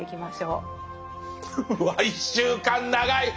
うわ１週間長い！